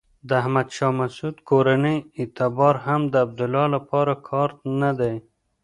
د احمد شاه مسعود کورنۍ اعتبار هم د عبدالله لپاره کارت نه دی.